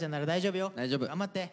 大丈夫！頑張って！